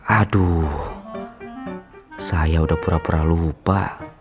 aduh saya udah pura pura lupa